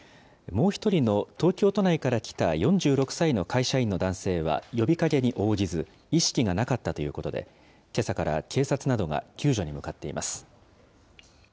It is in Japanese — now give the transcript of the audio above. もう１人の東京都内から来た４６歳の会社員の男性は呼びかけに応じず、意識がなかったということで、けさから警察などが救助に向